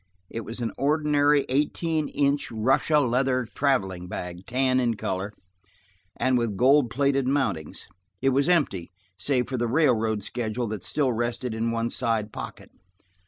It was an ordinary eighteen inch Russia leather traveling bag, tan in color, and with gold plated mountings. It was empty, save for the railroad schedule that still rested in one side pocket.